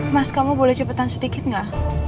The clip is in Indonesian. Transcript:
mas kamu boleh cepetan sedikit nggak